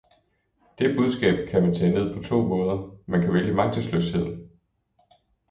Det budskab kan man tage ned på to måder. Man kan vælge magtesløsheden.